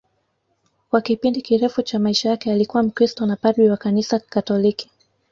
Kwa kipindi kirefu cha maisha yake alikuwa Mkristo na padri wa Kanisa Katoliki